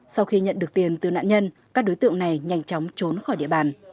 sau khi nhận được tiền từ nạn nhân các đối tượng này nhanh chóng trốn khỏi địa bàn